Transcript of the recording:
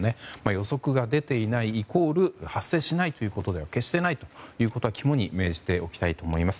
予測が出ていないイコール発生しないということでは決してないということを肝に銘じておきたいと思います。